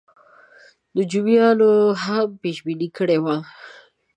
نجومیانو هم پېش بیني کړې وه.